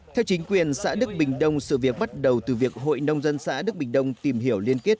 theo chính quyền xã đức bình đông sự việc bắt đầu từ việc hội nông dân xã đức bình đông tìm hiểu liên kết